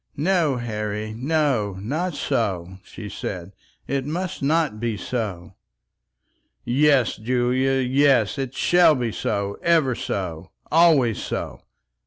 "No, Harry, no; not so," she said, "it must not be so." "Yes, Julia, yes; it shall be so; ever so, always so."